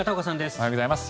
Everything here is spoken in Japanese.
おはようございます。